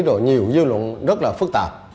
rồi nhiều dư luận rất là phức tạp